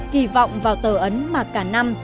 kỳ vọng vào tờ ấn mà cả năm